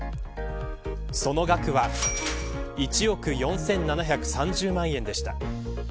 その額は１億４７３０万円でした。